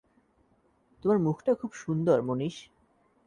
তোমার মুখটা খুব সুন্দর, মনীষ।